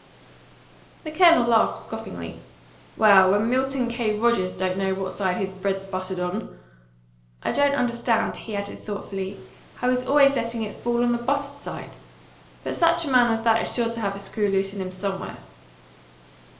The Colonel laughed scoffingly. "Well, when Milton K. Rogers don't know which side his bread's buttered on! I don't understand," he added thoughtfully, "how he's always letting it fall on the buttered side. But such a man as that is sure to have a screw loose in him somewhere."